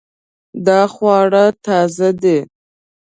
دا خواړه تازه دي